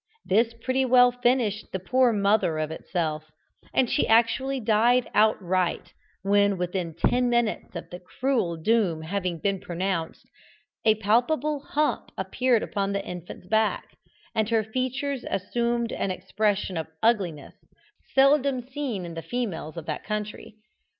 This pretty well finished the poor mother of itself, and she actually died outright, when, within ten minutes of the cruel doom having been pronounced, a palpable hump appeared upon the infant's back, and her features assumed an expression of ugliness seldom seen in the females of that country.